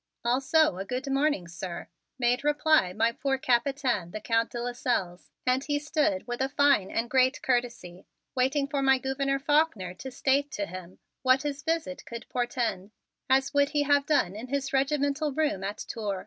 "Also a good morning, sir," made reply my poor Capitaine, the Count de Lasselles. And he stood with a fine and great courtesy waiting for my Gouverneur Faulkner to state to him what his visit could portend, as would he have done in his regimental room at Tour.